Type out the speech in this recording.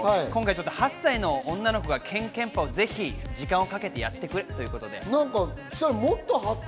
８歳の女の子がけんけんぱをぜひ時間をかけてやってくれということでした。